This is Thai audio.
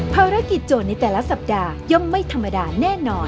โจทย์ในแต่ละสัปดาห์ย่อมไม่ธรรมดาแน่นอน